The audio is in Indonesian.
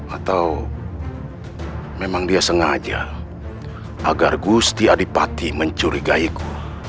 atau memang dia sengaja agar gusti adipati mencuri gaiku